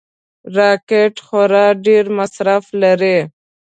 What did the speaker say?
راکټ خورا ډېر مصرف لري